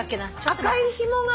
赤いひもが。